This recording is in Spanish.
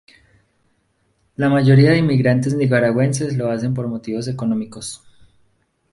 La mayoría de inmigrantes nicaragüenses lo hacen por motivos económicos.